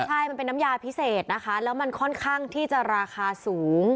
ใช่มันเป็นน้ำยาพิเศษนะคะแล้วมันค่อนข้างที่จะราคาสูง